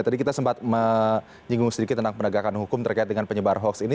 tadi kita sempat menyinggung sedikit tentang penegakan hukum terkait dengan penyebar hoax ini